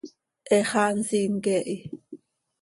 He xaa nsiin quee hi.